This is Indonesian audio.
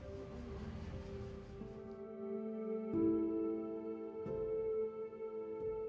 janganlah kaget kaget yang tersangka